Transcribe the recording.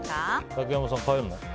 竹山さん、変えるの？